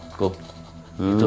eh aken jawab dulu